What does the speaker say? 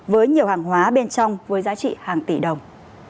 với nhiều hàng hóa bên trong với giá trị hàng tỷ đồng